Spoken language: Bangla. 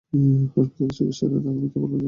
হাসপাতালের চিকিৎসকেরা তাঁকে মৃত বলে জানান।